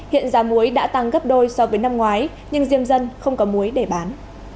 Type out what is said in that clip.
hiện giá muối đã tăng gấp đôi so với năm ngoái nhưng diêm dân không có muối để bán